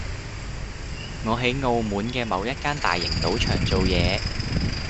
我喺澳門嘅某一間大型賭場做嘢